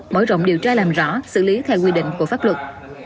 mở rộng điều tra làm rõ xử lý theo quy định của pháp luật